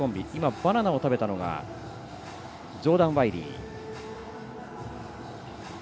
バナナを食べたのがジョーダン・ワイリー。